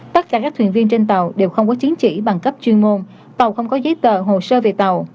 tất cả các thuyền viên trên tàu đều không có chứng chỉ bằng cấp chuyên môn tàu không có giấy tờ hồ sơ về tàu